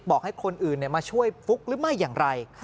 บอกให้คนอื่นมาช่วยฟุ๊กหรือไม่อย่างไร